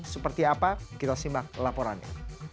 seperti apa kita simak laporannya